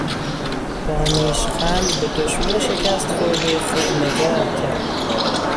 با نیشخند به دشمن شکست خوردهی خود نگاه کرد.